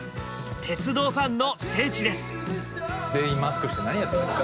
鉄道ファンの聖地です。